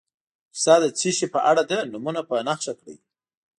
کیسه د څه شي په اړه ده نومونه په نښه کړي.